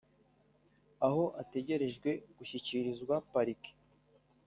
aho ategerejwe gushyikirizwa parike